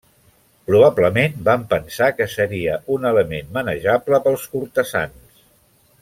Probablement van pensar que seria un element manejable pels cortesans.